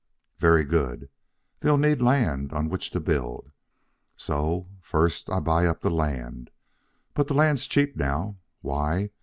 Very good. They'll need land on which to build. So, first I buy up the land. But the land's cheap now. Why?